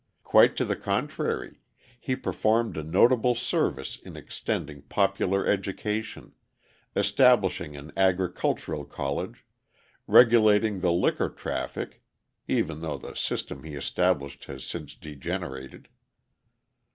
Quite to the contrary, he performed a notable service in extending popular education, establishing an agricultural college, regulating the liquor traffic (even though the system he established has since degenerated).